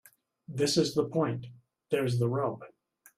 This is the point. There's the rub.